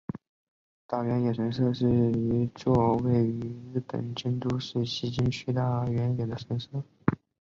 大原野神社是一座位于日本京都市西京区大原野的神社。